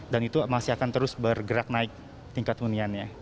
dan itu masih akan terus bergerak naik